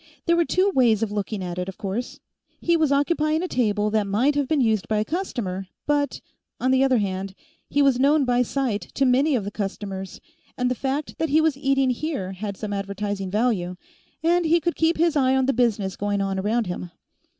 There were two ways of looking at it, of course. He was occupying a table that might have been used by a customer, but, on the other hand, he was known by sight to many of the customers, and the fact that he was eating here had some advertising value, and he could keep his eye on the business going on around him.